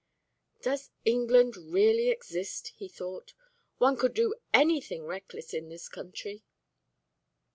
"Does England really exist?" he thought. "One could do anything reckless in this country."